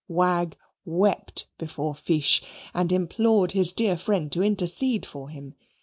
Wagg wept before Fiche and implored his dear friend to intercede for him.